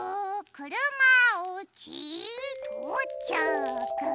くるまおうちとうちゃく。